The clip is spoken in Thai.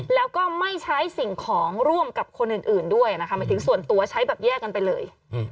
แล้วก็ไม่ใช้สิ่งของร่วมกับคนอื่นด้วยนะคะหมายถึงส่วนตัวใช้แบบแยกกันไปเลย